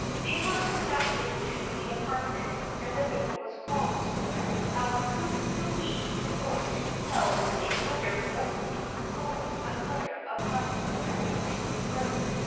They were conducted to the apartment, and the door was closed, a kukui torch held at another opening throwing a glare of light into the room.